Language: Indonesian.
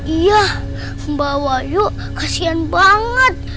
iya mbak wayu kasian banget